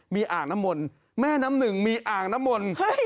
มีอ่างน้ำมนต์แม่น้ำหนึ่งมีอ่างน้ำมนต์